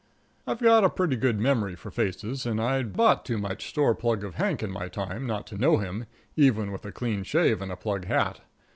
I've got a pretty good memory for faces, and I'd bought too much store plug of Hank in my time not to know him, even with a clean shave and a plug hat.